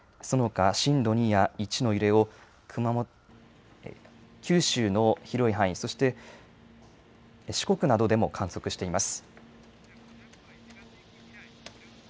そのほか震度２や１の揺れを九州の広い範囲、そして、四国などでも観測しています。